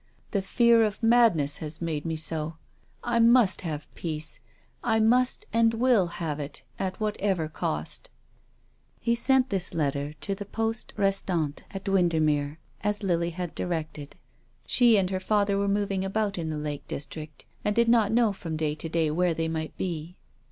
The fear of madness has made me so. I must have peace. I must and will have it, at whatever cost." He sent this letter to the poste rcstante at Windermere, as Lily had directed. She and her father were moving about in the Lake district, and did not know from day to day where they might be.